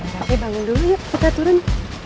capek bangun dulu yuk kita turun